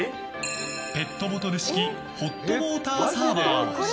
ペットボトル式ホットウォーターサーバー。